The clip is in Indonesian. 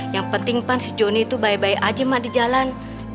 yang penting pan si joni itu baik baik aja mah di jalan